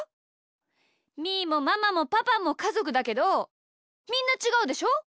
みーもママもパパもかぞくだけどみんなちがうでしょ？